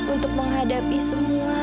untuk menghadapi semua